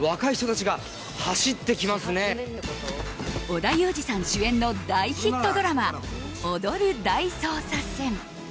織田裕二さん主演の大ヒットドラマ「踊る大捜査線」。